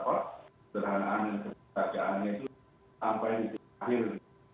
sederhanaan dan kerjaannya itu sampai akhir